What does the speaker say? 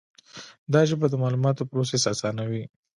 دا ژبه د معلوماتو پروسس آسانوي.